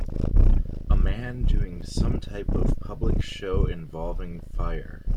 A man doing some type of public show involving fire.